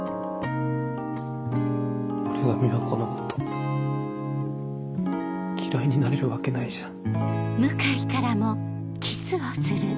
俺が美和子のこと嫌いになれるわけないじゃん。